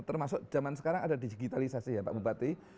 termasuk zaman sekarang ada digitalisasi ya pak bupati